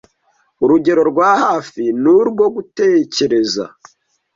Urugero rwa hafi ni urwo gutekereza